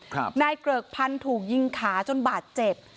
นายเกริกพันธุ์ถูกยิงขาจนบาดเจ็บ